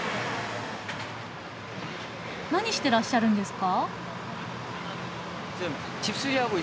何してらっしゃるんですか？